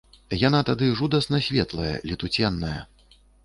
Яна тады жудасна светлая, летуценная.